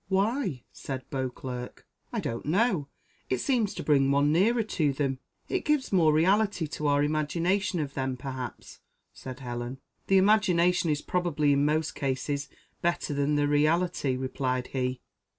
"Why?" said Beauclerc. "I don't know. It seems to bring one nearer to them. It gives more reality to our imagination of them perhaps," said Helen. "The imagination is probably in most cases better than the reality," replied he.